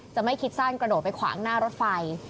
ไม่คิดสั้นกระโดดไปขวางหน้ารถไฟ